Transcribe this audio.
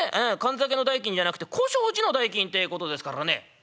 燗酒の代金じゃなくて小障子の代金てことですからね」。